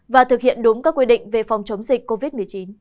và thực hiện đúng các quy định về phòng chống dịch covid một mươi chín